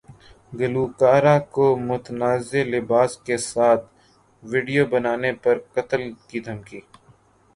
گلوکارہ کو متنازع لباس کے ساتھ ویڈیو بنانے پر قتل کی دھمکی